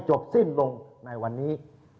โหวตวันที่๒๒